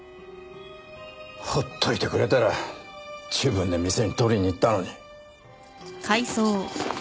ほっといてくれたら自分で店に取りに行ったのに。